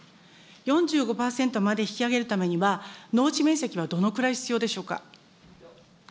４５％まで引き上げるためには、農地面積はどのくらい必要でしょうか。